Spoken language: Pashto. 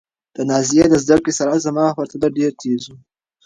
د نازيې د زده کړې سرعت زما په پرتله ډېر تېز و.